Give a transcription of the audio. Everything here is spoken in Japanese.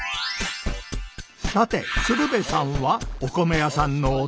さて鶴瓶さんはお米屋さんの弟